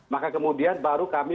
maka kemudian baru kami